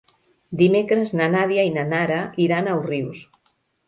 Dimecres na Nàdia i na Nara iran a Òrrius.